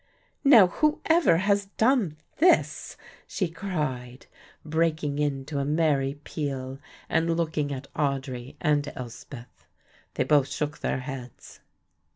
"Now, whoever has done this?" she cried, breaking into a merry peal and looking at Audry and Elspeth. They both shook their heads.